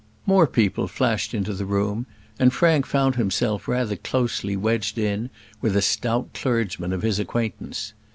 More people flashed into the room, and Frank found himself rather closely wedged in with a stout clergyman of his acquaintance.